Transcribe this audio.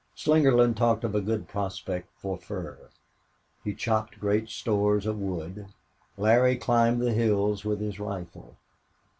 Slingerland talked of a good prospect for fur. He chopped great stores of wood. Larry climbed the hills with his rifle.